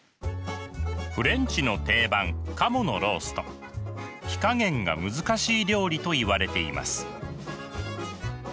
フレンチの定番火加減が難しい料理といわれています。